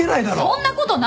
そんなことないよ！